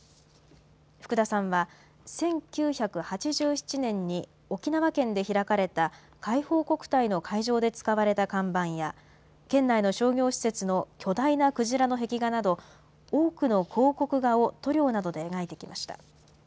福田さんは、１９８７年に沖縄県で開かれた海邦国体の会場で使われた看板や、県内の商業施設の巨大なクジラの壁画など、多くの広告画を塗料などで描いてきました。